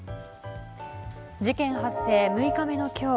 事件発生６日目の今日